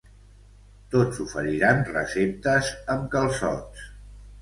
Tots oferiran receptes amb calçots.